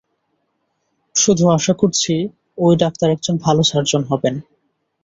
শুধু আশা করছি ওই ডাক্তার একজন ভালো সার্জন হবেন।